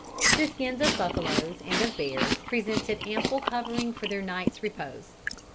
The skins of buffaloes and of bears presented ample covering for their night's repose.